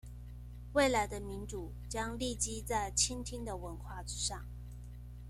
未來的民主將立基在傾聽的文化之上